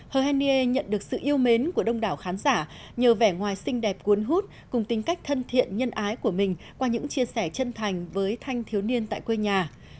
herene nhận được sự yêu mến của đông đảo khán giả nhờ vẻ ngoài xinh đẹp cuốn hút cùng tính cách thân thiện nhân ái của mình qua những chia sẻ chân thành với thanh thiếu niên tại quê nhà